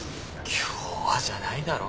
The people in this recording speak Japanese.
「今日は」じゃないだろ？